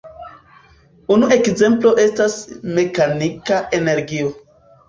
Unu ekzemplo estas mekanika energio.